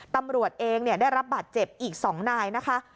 ตำรวจเองได้รับบาดเจ็บอีก๒นายนะคะ